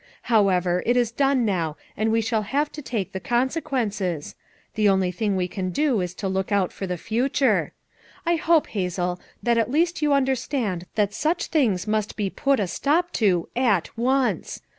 However, it is done now and we shall have to take the consequences; the only thing we can do is to look out for the future. I hope, Hazel, that at least you understand that such doings must FOUB MOTHERS AT CHAUTAUQUA 237 be put a stop to at once.